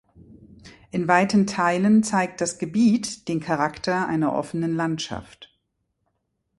In weiten Teilen zeigt das Gebiet den Charakter einer offenen Landschaft.